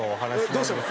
どうしたの？